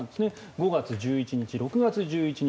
５月１１日、６月１１日